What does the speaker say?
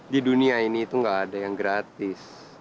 di dunia ini tuh gak ada yang gratis